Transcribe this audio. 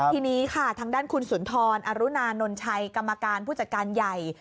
ทีนี้ค่ะทางด้านคุณสุนทรอรุนานนชัยกรรมการผู้จัดการใหญ่